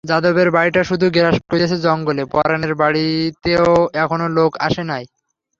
যাদবের বাড়িটা শুধু গ্রাস করিতেছে জঙ্গলে, পরানের বাড়িতেও এখনো লোক আসে নাই।